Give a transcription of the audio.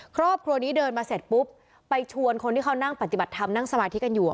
ครอบครัวนี้เดินมาเสร็จปุ๊บไปชวนคนที่เขานั่งปฏิบัติธรรมนั่งสมาธิกันอยู่